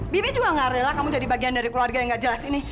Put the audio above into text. bibi juga nggak rela kamu jadi bagian dari keluarga yang gak jelas ini